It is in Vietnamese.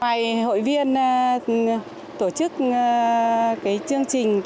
hoài hội viên tổ chức cái chương trình